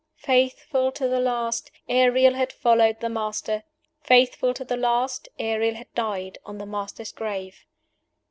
Faithful to the last, Ariel had followed the Master! Faithful to the last, Ariel had died on the Master's grave!